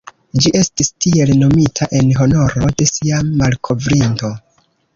Ĝi estis tiel nomita en honoro de sia malkovrinto.